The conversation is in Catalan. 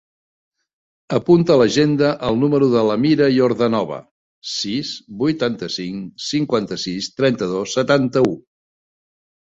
Apunta a l'agenda el número de l'Amira Yordanova: sis, vuitanta-cinc, cinquanta-sis, trenta-dos, setanta-u.